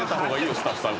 スタッフさんこれ」